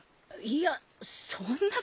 いやそんな。